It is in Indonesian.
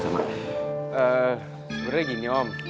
sebenernya gini om